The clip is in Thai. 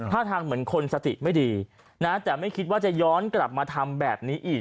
ท่าทางเหมือนคนสติไม่ดีนะแต่ไม่คิดว่าจะย้อนกลับมาทำแบบนี้อีก